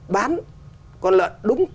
bám con lợn đúng